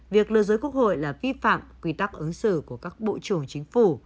việc lừa dối quốc hội là vi phạm quy tắc ứng xử của các bộ trưởng chính phủ